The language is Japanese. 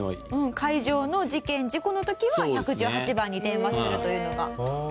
海上の事件事故の時は１１８番に電話するというのが。